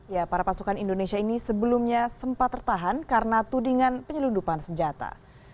ya para pasukan indonesia ini sebelumnya sempat tertahan karena tudingan penyelundupan senjata